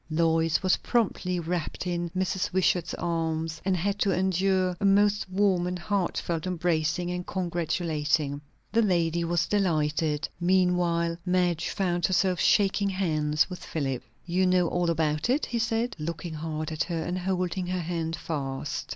Lois was promptly wrapped in Mrs. Wishart's arms, and had to endure a most warm and heartfelt embracing and congratulating. The lady was delighted. Meanwhile Madge found herself shaking hands with Philip. "You know all about it?" he said, looking hard at her, and holding her hand fast.